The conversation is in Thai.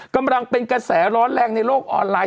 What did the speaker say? กำลังเป็นกระแสร้อนแรงในโลกออนไลน